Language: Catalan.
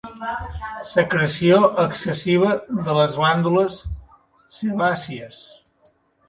Secreció excessiva de les glàndules sebàcies.